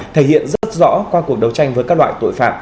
thể hiện rất rõ qua cuộc đấu tranh với các loại tội phạm